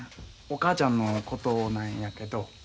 お母ちゃんのことなんやけど。